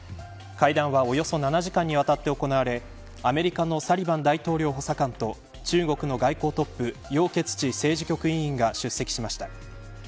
会談はおよそ７時間にわたって行われアメリカのサリバン大統領補佐官と中国の外交トップ楊潔チ政治局委員が出席しました。